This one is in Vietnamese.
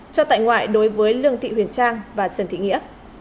cho tại ngoại đối với lương thị huyền trang và trần thị nghĩa